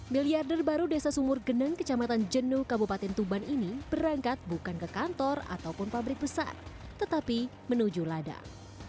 miliarder baru desa sumur geneng kecamatan jenuh kabupaten tuban ini berangkat bukan ke kantor ataupun pabrik besar tetapi menuju ladang